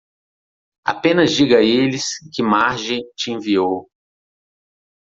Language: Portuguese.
Apenas diga a eles que Marge te enviou.